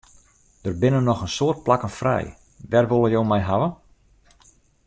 Der binne noch in soad plakken frij, wêr wolle jo my hawwe?